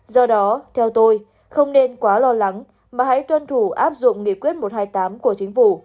do đó theo tôi không nên quá lo lắng mà hãy tuân thủ áp dụng nghị quyết một trăm hai mươi tám của chính phủ